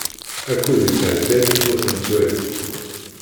Akud yettɛedday ur t-nettwali.